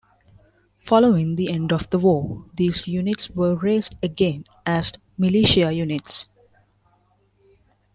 Following the end of the war, these units were raised again as militia units.